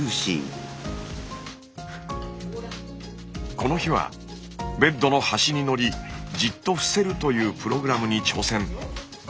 この日はベッドの端にのりじっと伏せるというプログラムに挑戦。